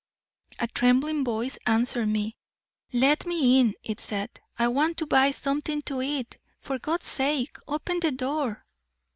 "A trembling voice answered me. 'Let me in,' it said. 'I want to buy something to eat. For God's sake, open the door!'